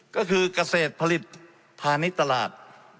ก็คือกระเศษผลิตฐานิตลาด